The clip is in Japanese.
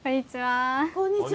こんにちは。